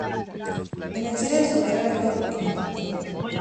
En el cierre de su carrera, se convirtió en entrenador.